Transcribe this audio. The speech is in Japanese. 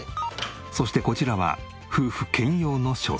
そしてこちらは夫婦兼用の書斎。